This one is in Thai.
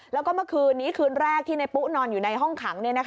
แล้วก็เมื่อคืนนี้คืนแรกที่ในปุ๊นอนอยู่ในห้องขัง